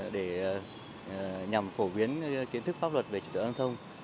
để nhằm phổ biến kiến thức pháp luật về trị tượng giao thông